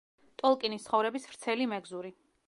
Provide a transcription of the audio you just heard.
ტოლკინის ცხოვრების ვრცელი მეგზური.